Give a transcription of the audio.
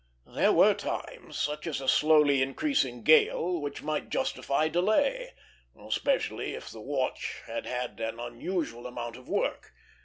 There were times, such as a slowly increasing gale, which might justify delay; especially if the watch had had an unusual amount of work.